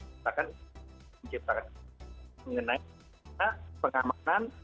kita akan menciptakan mengenai pengamanan